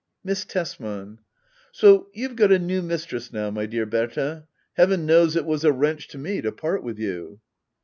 Miss Tesman. So you've got a new mistress now, my dear Berta. Heaven knows it was a wrench to me to part with you.